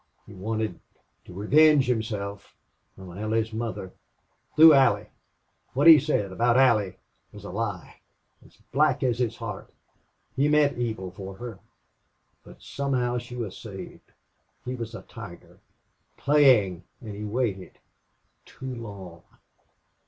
He wanted to revenge himself on Allie's mother through Allie.... What he said about Allie was a lie as black as his heart. He meant evil for her. But somehow she was saved. He was a tiger playing and he waited too long.